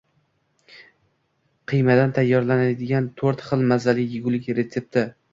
Qiymadan tayyorlanadiganto´rtxil mazali yegulik retsepti